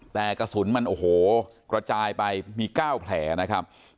แต่กระสุนมันโอ้โหกระจายไปมี๙แผลนะครับ